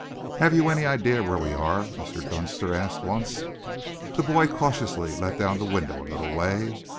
"Have you any idea where we are?" Mr. Dunster asked once. The boy cautiously let down the window a little way.